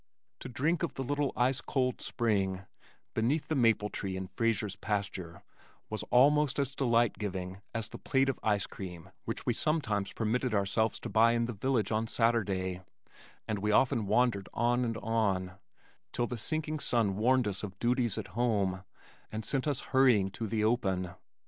To drink of the little ice cold spring beneath the maple tree in Frazer's pasture was almost as delight giving as the plate of ice cream which we sometimes permitted ourselves to buy in the village on Saturday, and often we wandered on and on, till the sinking sun warned us of duties at home and sent us hurrying to the open.